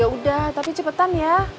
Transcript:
ya udah tapi cepetan ya